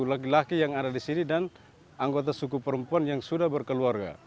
laki laki yang ada di sini dan anggota suku perempuan yang sudah berkeluarga